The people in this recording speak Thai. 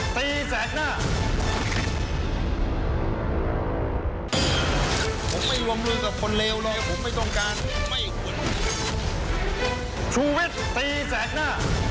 ตีแสดงนะ